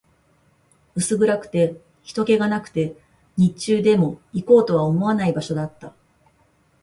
薄暗くて、人気がなくて、日中でも行こうとは思わない場所だった